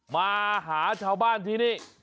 มาหาชาวบ้านที่นี่